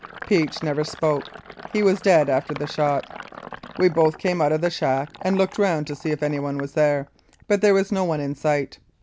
Peach never spoke. He was dead after the shot. We both came out of the shack and looked round to see if anyone was there, but there was no one in sight.